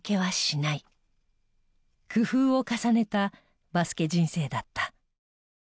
工夫を重ねたバスケ人生だった。